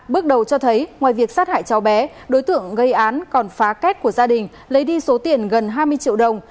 bước đầu cho thấy ngoài việc sát hại cháu bé đối tượng gây án còn phá kết của gia đình lấy đi số tiền gần hai mươi triệu đồng